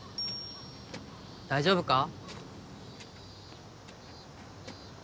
大丈夫か？